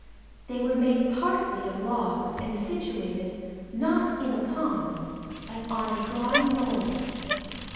They were made partly of logs and situated, not in a pond, but on a dry knoll.